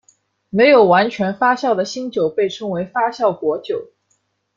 没有完全发酵的新酒被称为发酵果酒。